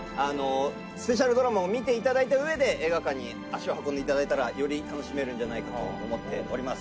スペシャルドラマを見ていただいた上で映画館に足を運んでいただいたらより楽しめるんじゃないかと思っております